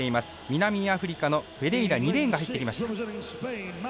南アフリカのフェレイラ２レーンが入ってきました。